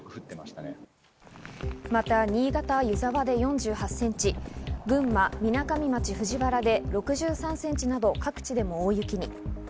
また、新潟・湯沢で４８センチ、群馬・みなかみ町藤原で６３センチなど各地でも大雪に。